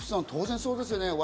当然そうですね。